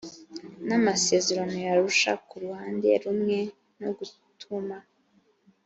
n amasezerano y arusha ku ruhande rumwe no gutuma